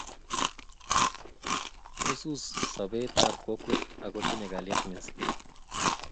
Wisis sopet ap kokwet ako tinye kalyet missing'